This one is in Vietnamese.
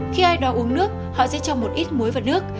khi ai đó uống nước họ sẽ cho một ít muối và nước